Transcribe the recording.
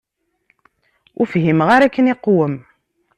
Ur fhimeɣ ara akken iqwem.